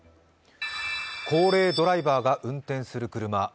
高齢ドライバーが運転する車。